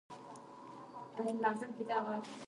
هغې باور لري واکسین به د معیاري درملنې برخه شي.